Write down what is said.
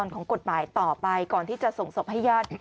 ของกฎหมายต่อไปก่อนที่จะส่งศพให้ญาติ